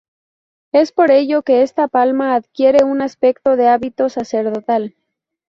Es por ello que esta palma adquiere un aspecto de hábito sacerdotal.